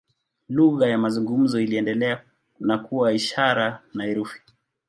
Lugha ya mazungumzo iliendelea na kuwa ishara na herufi.